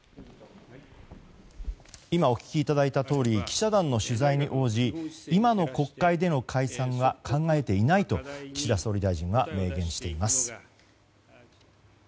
今お聞きいただいたとおり記者団の取材に応じ今の国会での解散は考えていないと岸田総理大臣は明言しています。